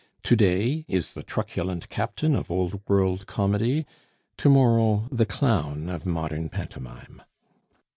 To day is the truculent captain of old world comedy, To morrow the clown of modern pantomime.